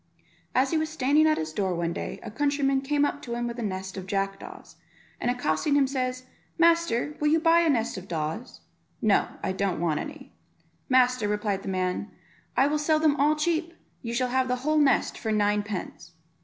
As he was standing at his door one day a countryman came up to him with a nest of jackdaws, and accosting him, says, "Master, will you buy a nest of daws?" "No, I don't want any." "Master," replied the man, "I will sell them all cheap; you shall have the whole nest for nine pence."